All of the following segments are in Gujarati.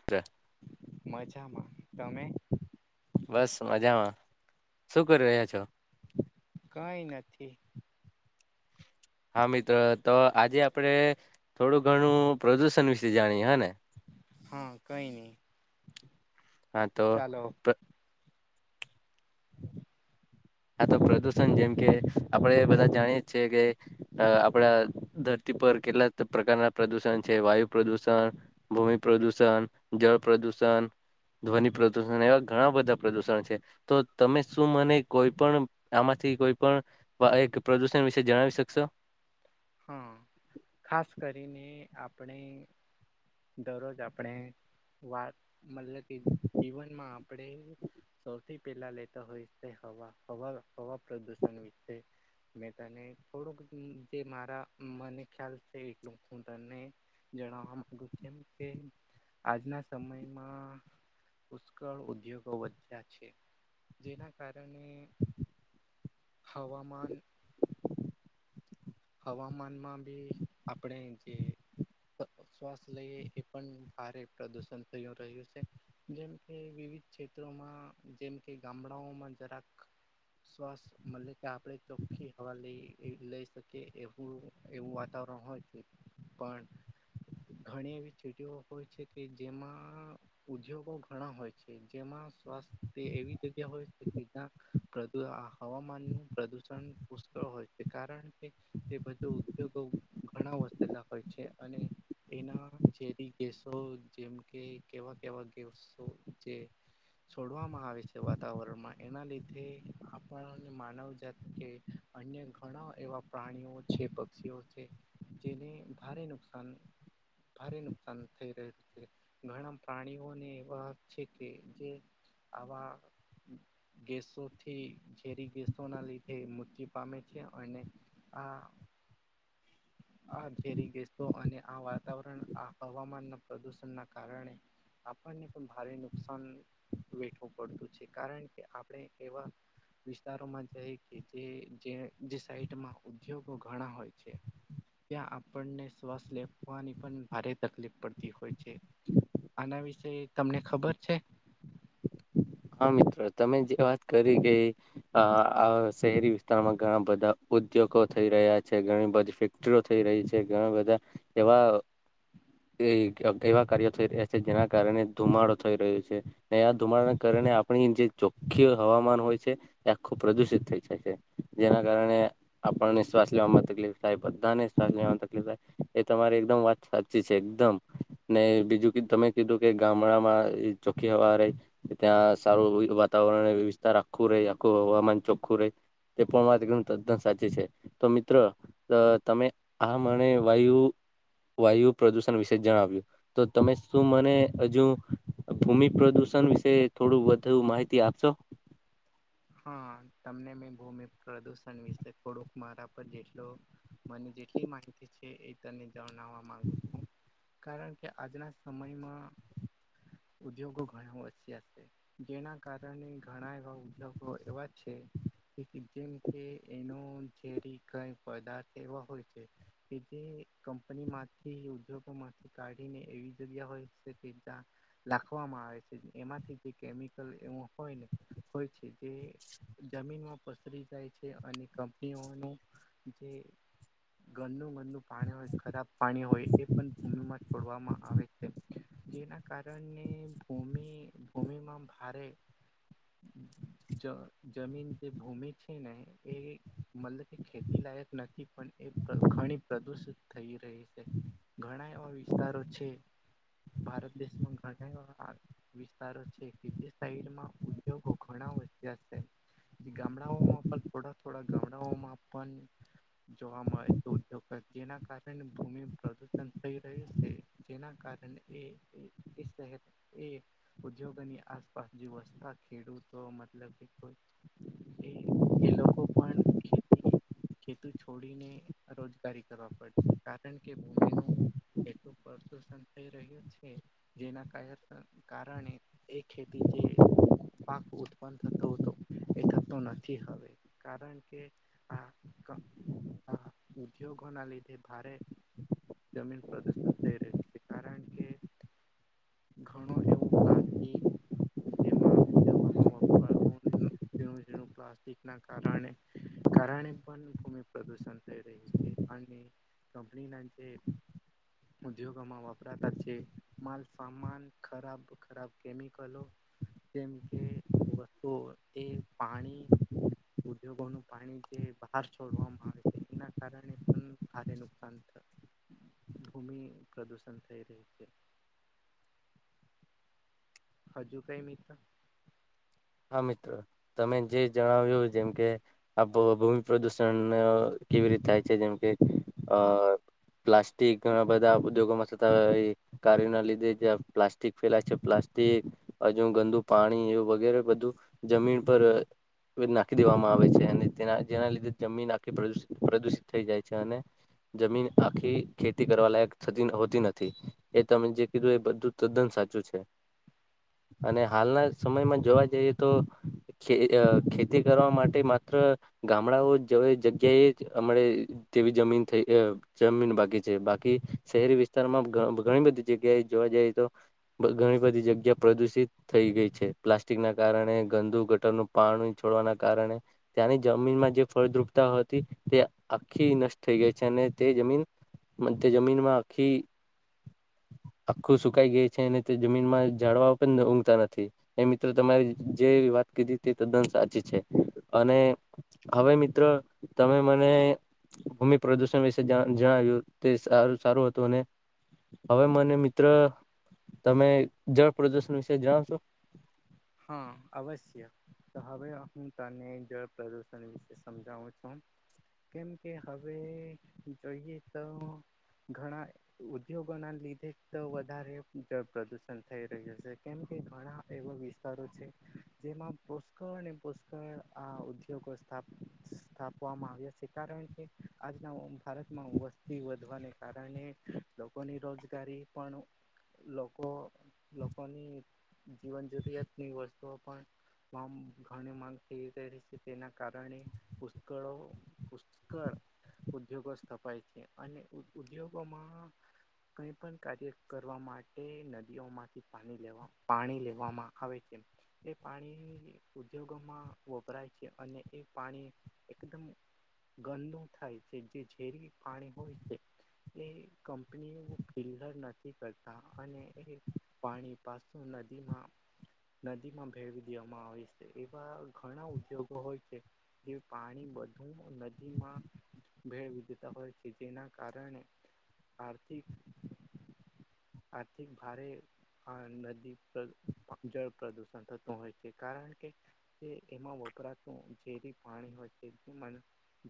[inaudible] મજામાં તમે બસ મજામાં શું કરી રહ્યા છો કઈ નથી હા મિત્રો તો આજે આપણે થોડું ઘણું પ્રદૂષણ વિશે જાણીએ હ ને હા કઈ નહી હા તો ચાલો હ હા તો પ્રદુષણ જેમ કે આપડે બધા જાણીએ છેએ કે આપડા પર કેટલા પ્રકારના પ્રદુષણ છે વાયુ પ્રદુષણ ભૂમિ પ્રદૂષણ જળ પ્રદૂષણ ધ્વનિ પ્રદુષણ એવા ઘણા બધા પ્રદુષણ છે તો તમે શું મને કોઈ પણ આમાંથી કોઈ પણ એક પ્રદુષણ વિશે જણાવી શકશો હા ખાસ કરીને આપણે દરરોજ આપણે વાત મતલબ કે જીવનમાં આપણે સૌથી પહેલા લેતા હોય હવા હવા હવા પ્રદુષણ વિ મેં તને થોડુંક જે મારા મને ખ્યાલ છે એટલું હું તને જણાવવા માંગુ કેમ કે આજના સમયમાં પુષ્કળ ઉદ્યોગો વધ્યા છે જેના કારણે હવામાન. હવામાનમાં બી આપણે જે શ્વાસ લઈ એ પણ ભારે પ્રદુષણ થયું રહ્યું છે. જેમ કે વિવિધ ક્ષેત્રોમાં જેમ કે ગામડાઓમાં જરાક શ્વાસ મલે કે આપણે ચોખ્ખી હવા લઈ લઈ શકીએ કે એવું એવું વાતાવરણ હોય છે પણ ઘણી એવી સીટીઓ હોય છે કે જેમાં ઉદ્યોગો ઘણા હોય છે જેમાં સ્વાસ્થ્ય એવી જગ્યા હોય છે કે જ્યાં હવામાન નુ પ્રદુષણ પુષ્કળ હોય છે કારણ કે એ બધો ઉદ્યોગો ઘણા વસ્સેલા હોય છે, અને એના ઝેરી ગેસો જેમ કે કેવા કેવા ગેસો જે છોડવામાં આવે છે વાતાવરણમાં એના લીધે આપણને માનવજત કે અન્ય ઘણા એવા પ્રાણીઓ છે પક્ષીઓ છે જેને ભારે નુકસાન ભારે નુકસાન થઈ રહ્યું છે. ઘણા પ્રાણીઓને એવા છે કે જે આવા ગેસોથી ઝેરી ગેસોના લીધે મૃત્યુ પામે છે અને હ આ ઝેરી ગેસતો અને આ વાતાવરણ આ હવામાનના પ્રદૂષણના કારણે આપણને પણ ભારે નુકસાન વેઠવું પડતું છે કારણ કે આપણે એવા. વિસ્તારોમાં જાય કે જે જે સાઈડમાં ઉદ્યોગો ઘણા હોય છે. ત્યાં આપણને શ્વાસ લેવાની પણ ભારે તકલીફ પડતી હોય છે. આના વિશે તમને ખબર છે. હા મિત્રો તમે જે વાત કરી કેઈ અ આ શહેરી વિસ્તારમાં ઘણા બધા ઉદ્યોગો થઈ રહ્યા છે, ઘણી બધી થઈ રહી છે ઘણા બધા એવા એ એવા કાર્યો થઈ રહ્યા છે, જેના કારણે ધુમાડો થઈ રહ્યો છે ને આ ધુમાડા. કરીને આપણી જે ચોખ્ખી હવામાન હોય છે. ત ખૂબ પ્રદુષિત થઈ જ છે, જેના કારણે આપણને શ્વાસ લેવામાં તકલીફ સાહેબ બધાને લેવાની તકલીફ થાય એ તમારી એકદમ વાત સાચી છે, એકદમ ને બીજું કું તમે કીધું કે ગામડામાં ચોખ્ખી હવા રહી. ત્યાં સારું વાતાવરણ વ્યવસ્થા રાખું રહેે આખું હવામાન ચોખ્ખું રહે તે પણ મારે તદ્દન સાચી છે, તો મિત્રો અ તમે આ મને વાયુ વાયુ પ્રદુષણ વિશે જ જણાવ્યું. તો તમે શું મને હજુ ભૂમિ પ્રદુષણ વિશે થોડું વધધ માહિતી આપશો હા તમને મેં ભૂમિ પ્રદુષણ વિશે થોડુંક મારા પર જેટલું મને જેટલી માહિતી છે એ તને જણાવવા મામાંગુ છુ. કારણ કે આજના સમયમા ઉદ્યોગો ઘણા વસ્યા છે જેના કારણે ઘણા એવા ઉદગ હ એ વાત છે. જેમ કે એનો ઝેરી કઈ પદાર્થ એવા હોય છે. કે જે કંપનીમાંથી ઉદ્યોગો માંથી કાઢીને એવી જગ્યા હોય છે કે જં લખવામાં આવે છે એમાંથી જે કેમિકલ એવ હોય ને હોય છે. તે જમીનમાં પસરી જાય છે અને કંપનીઓનું જે ગંદનું ગરનું પાણી હોય ખરાબ પાણી હોય એ પણ ભૂમિમાં છોડવામાં આવે છે. જેના કારણેણે ભૂમિ ભૂમિમાં ભારે જ જમીન જે ભૂમિ છે ને એ મતલબ કે ખેતી લાયક નથી પણ એ ઘણી પ્રદુષિત થઈ રહી છે. ઘણા એવા વિસ્તારો છે ભારત દેશમાં ઘણા એવા વિસ્તારો છે કે જે શહેરમાં ઉદ્યોગો ઘણા ગામડાઓ માપ થોડા થોડા ગામડાઓ માપ જોવા મળે તો ઉદગ જેના કારણે ભૂમિ પ્રદુષણ થઈ રહ્યું છે. જેના કારણે એહે એ ઉદ્યોગોની આસપાસ જે વસ્થા ખેડૂતો એ લોકો પણ ખેતી. ખેતુ છોડીને રોજગારી કરવા પડતી કારણ કે ભૂમિનું કેટલું પ્રદુષણ થય જેના કારણે એ ખેતી જે પાક ઉ થતો હતો એ થતો નથી હવે કારણ કે આ હા ઉદ્યોગો ના લીધે ભારે જમીન પ્રદુષણ થઈ ર્યું છે કારણ કે ઘણો એવો પ્લાસ્ટિક જેમાં ઉદ્યોગોમાં બા પ્લાસ્ટિક ના કારણે કારણે પણ ભૂમિ પ્રદુષણ થઈ રહી છે. અને કંપનીનાચ ઉદ્યોગોમાં વાપરાતા છે માલસામાન ખરાબ ખરાબ કેમિકલો જેમ કે વસ્તુ એ પાણી ઉદ્યોગોનું પાણી જે બહાર છોડવામાં આવે છે એના કારણે પણ ભારે નુકસાન થ ભૂમિ પ્રદૂષણ થઈ રહી છે. હજુ કઈ મિત્ર હા મિત્રો તમે જે જણાવ્યું જેમ કે આપ ભૂમિ પ્રદૂષણ કેવી રીતે થાય છે જેમ કે અ પ્લાસ્ટિક ઘણા બધા ઉદ્યોગોમાં થતા. કાર્ય ના લીધે જ્યાં પ્લાસ્ટિક ફેલાય છે પ્લાસ્ટિક હજુ ગંદુ પાણી એું વધુ જમીન પર નાખી દેવામાં આવે છે અને તેના જેના લીધે જમી નાખી પ્રદૂષિત થઈ જાય છે જમીન આખી ખેતી કરવા લાયક થતી હોતી નથી એ તમે જે કીધું એ બધું તદ્દન સાચું છે. [inaudible] અને હાલના સમયમાં જોવા જઈએ તો ખ ખેતી કરવા માટે માત્ર ગામડાઓ જેવા જગ્યાએ હમ તેવી જમીન થઈ. જમીન બાકી છે બાકી શહેરી વિસ્તારમાં ઘણી બધી જગ્યાએ જોવા જાય તો ઘણી બધી જગ્યા પ્રદુષિત થઈ ગઈ છે પ્લાસ્ટ ના કારણે ગંદુ ગટરનું પાણી છોડવાના કારણે ત્યાંની જમીનમાં જે ફળદ્રુપતા હતી તે આખી નષ્ટ થઈ ગઈ છે અને તે જમીન મ તે જમીનમાં આખી આખું સુકાઈ ગયું છે અનેને તે જમીન માં જાડવા પણ ઊંઘતા નથી એ તમારી જે વાત કીધી તે તદ્દન સાચી છે અને હવે મિત્રો તમે મને ભૂમિ પ્રદુષણ વિશે જણાવ્યું તે સારું સારું હતું અને હવે મને મિત્ર તમે જળ પ્રદર્શન વિશે જાણાવ છો હા અવશ્ય તો હવે હું તને જળ પ્રદુષણ વિશે સમજાવું છું. કેમ કે હવે જોઈએ તો ઘણા ઉદ્યોગો ના લીધે તો વધારે જળ પ્રદુષણ થઈ રહ્યું છે કેમ કે ઘણા એવ જેમાં પુ્કળને પુષ્કળ આ ઉદ્યોગો સ્થાપ. સ્થાપવામાં આવ્યા છે કારણ કે આજના ભારતમાં વસ્તી વધવાને કારણે લોકોની રોજગારી પણ લોકો લોકોની જીવન જરૂરિયાતની વસ્તુઓ પણ. ફમ ઘણી માંગ થઈ રહી છે તેના કારણે, પુષ્કળો. પુષ્કળ ઉદ્યોગો સ્થપાય છે અને ઉદ્યોગોમાં કઈ પણ કાર્ય કરવા માટે નદીઓમાંથી પાણી લેવા પાણી લેવામાં આવે છે એ પાણી ઉદ્યોગોમાં વપરાય છે અને એ પાણી એકદમ ગલનું થાય છે જે ઝેર પાણી હોય છે. એ કંપની એ ફિલ્લર નથી કરતા અને એ પાણી પાસું નદીમાં નદીમાં ભેળવી દેવામાં આવે છે એવા ઘણા ઉદ્યોગો હોય છે. જે પાણી બધું નદીમાં ભેળ વિધેતા હોય છે જેના કારણે, આર્થિક. આર્થિક ભારે જળ પ્રદુષણ થતું હોય છે કારણ કે. તે એમાં વપરાતું જે પાણી હોય તે.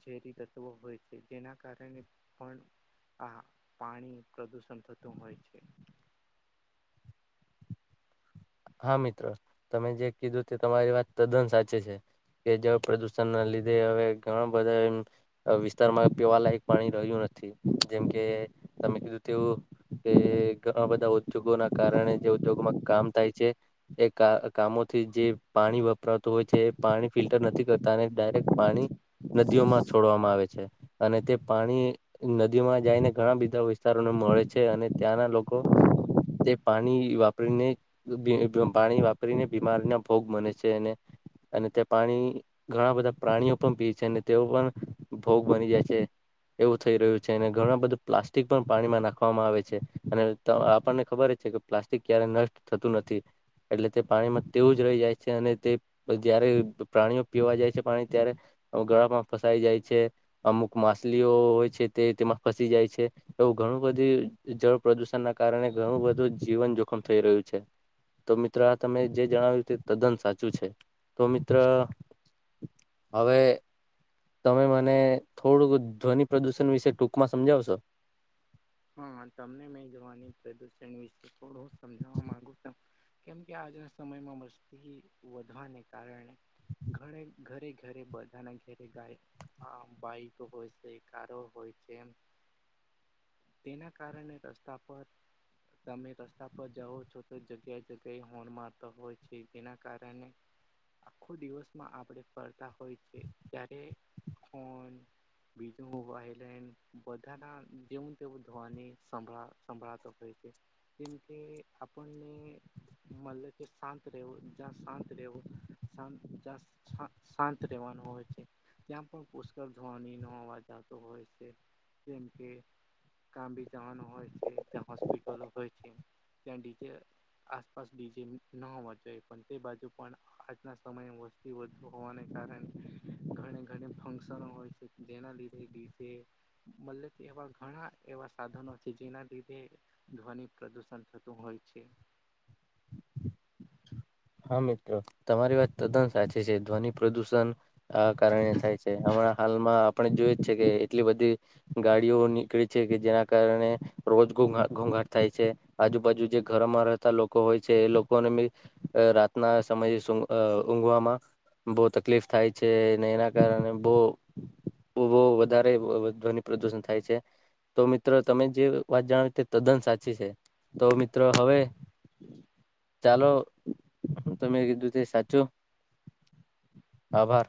ઝેરી તત્વો હોય છે જેના કારણે પણ. આ પાણી પ્રદુષણ થતું હોય છે. હા મિત્રો, તમે જે કીધું તે તમારી વાત તદ્દન સાચે છે. કે જળ પ્રદુષણ ના લીધે હવે ઘણા બધા વિસ્તારમાં પીવાલાયક પાણી રહ્યું નથી. જેમ કે તમે કીધું તેવું કે ઘણા બધા ઉદ્યોગો ના કારણે જે ઉદ્યોગોમાં કામ થાય છે, એ કામોથી જે પાણી વપરાતું હોય છે એ પાણી ફિલ્ટર નથી કરતા અને ડાયરેક્ટ પાણી. નદીઓમાં છોડવામાં આવે છે, અને તે પાણી નદીમાં જઈને ઘણા બધા વિસ્તારોને મળે છે અને ત્યાંના લોકો તે પાણી વાપરીને પાણી વાપરીને બીમારીના ભોગ બને છે અનેને અને તે પાણી ઘણા બધા પ્રાણીઓ પણ પી છે અને તેઓ પણ, ભોગ બની જાય છે. એવું થઈ રહ્યું છે અને ઘણ બધું પ્લાસ્ટિક પણ પાણીમાં નાખવામાં આવે છે, અને આપણને ખબર છે કે પ્લાસ્ટિક ક્યારે નષ્ટ થતું નથી, એટલે તે પાણીમાં તેવું જ રહી જાય છે અને તે જયારે પ્રાણીઓ પીવા જાય છે પાણી ત્યારે, ગળામાં ફસાઈ જાય છે. અમુક માછલીઓ હોય છે તે તેમાં ફસી જાય છે. એવું ઘણું બધી જળ પ્રદુષણ ના કારણે ઘણું બધું જીવન જોખમ થઈ રહ્યું છે. તો મિત્ર આ તમે જે જણાવ્યું તે તદ્દન સાચું છે, તો મિત્ર હવે તમે મને થોડુંક ધ્વનિ પ્રદુષણ વિશે ટૂંકમાં સમજાવશો? હા તમને મેં જવાની પ્રદુષણ વિશે થોડું સમજાવવા મામાંગુ છ. કેમ કે આજના સમયમાં મસ્તી વધવાને કારણે. ઘણે ઘરે ઘરે બધાના ઘેરે ગાય હા ભઈ તો હોશે કારો હોય છે. તેના કારણે રસ્તા પર. તમે રસ્તા પર જાઓ છો તો જગ્યાએ જગ્યાએ હોર્ન મારતા હોય છે જેના કારણે આખો દિવસમાં આપણે ફરતા હોય છે ત્યારેન. બીજું વાયલેડ બધા ના જે તેઓ ધોવાને સંભળા સંભળાતો હોય છે, કેમકે આપણને મન કે શાંત રહેવો જ શાંત રહેવો, શા જ શાંત રહેવાનું હોય છે. ત્યાં પણ પુષ્કળ ધોવાણી નો અવાજ આવતો હોય છે, જેમ કે કામ બી તહનો હોય છે ત હોસ્પિટલો હોય છે, ત્યાં ચે આસપાસ ડીજે ન હોવા જોઈએ પણ તે બાજુ પણ આજના સમય વુ બુ હોવાને કારણે. ઘણે ઘણી ફંક્શન હોય છે જેના લીધે ગીતે મતલબ એવા ઘણા એવા સાધનો છે જેના લીધે ધ્વનિ પ્રદૂષણ થતું હોય છે. હા મિત્રો, તમારી વાત તદ્દન સાચી છે ધ્વનિ પ્રદૂષણ આ કારણે થાય છે. હમણાં હાલમાં આપણે જોય જ છે કે એટલી બધી ગાડીઓ નીકળી છે, કે જેના કારણે રોજ ઘો ઘોઘાટ થાય છે. આજુબાજુ જે ઘરમાં રહેતા લોકો હોય છે એ લોકોને બી રાતના સમય ઊંઘવામાં. બહુ તકલીફ થાય છે એના કારણે બહ હ વધારે ધ્વનિ પ્રદુષણ થાય છે. તો મિત્ર તમે જે વાત જાણાવ તે તદ્દન સાચી છે. તો મિત્રો હવે, ચાલો. હ ત મેમે કીધું તે સાચો. આભર.